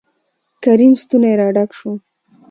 کريم ستونى را ډک شو.